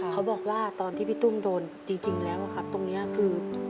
เขาบอกว่าตอนที่พี่ตุ้มโดนจริงแล้วครับตรงนี้คือ